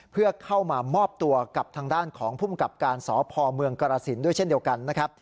เพื่อเข้ามามอบตัวกับทางด้านของภูมิกับการสพเมืองกรสินด้วยเช่นเดียวกันนะครับ